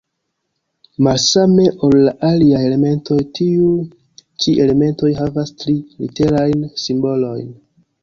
Malsame ol la aliaj elementoj, tiuj ĉi elementoj havas tri-literajn simbolojn.